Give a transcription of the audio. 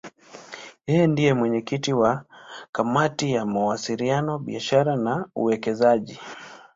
Yeye ndiye mwenyekiti wa Kamati ya Mawasiliano, Biashara na Uwekezaji.